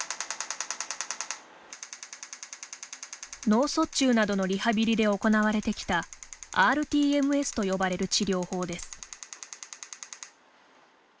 脳卒中などのリハビリで行われてきたｒＴＭＳと呼ばれる治療法です。